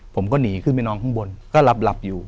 ผมก็หนีขึ้นไปนอนข้างบนก็หลับอยู่